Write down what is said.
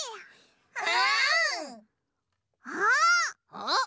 あっ！